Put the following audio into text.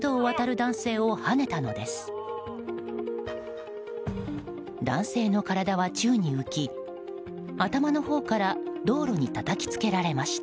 男性の体は宙に浮き頭のほうから道路にたたきつけられました。